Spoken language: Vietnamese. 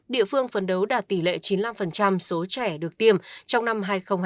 địa phương phấn đấu đạt tỷ lệ chín mươi năm số trẻ được tiêm trong năm hai nghìn hai mươi